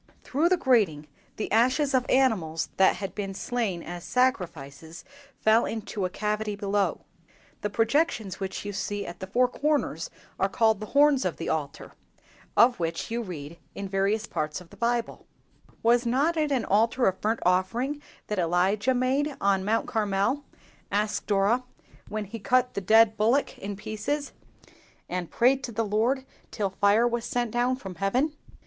"Through the grating the ashes of animals that had been slain as sacrifices fell into a cavity below. The projections which you see at the four corners are called the horns of the altar, of which you read in various parts of the Bible." [Illustration: THE ALTAR OF BURNT OFFERING. Children's Tabernacle p. 30.] "Was it not an Altar of burnt offering that Elijah made on Mount Carmel," asked Dora, "when he cut the dead bullock in pieces and prayed to the Lord till fire was sent down from heaven?"